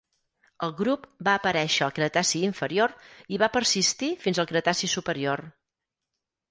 El grup va aparèixer al Cretaci inferior i va persistir fins al Cretaci superior.